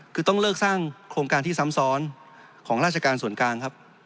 คือต้องเลิกสร้างโครงการที่ซ้ำซ้อนของราชการส่วนกลางครับ